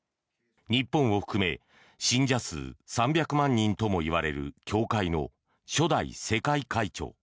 日本を含め信者数３００万人ともいわれる教団の初代世界会長。